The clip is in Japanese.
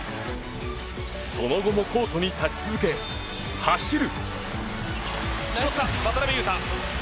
その後もコートに立ち続け走る！